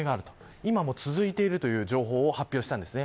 今も続いているという情報を発表しています。